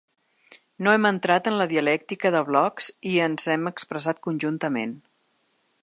No hem entrat en la dialèctica de blocs i ens hem expressat conjuntament.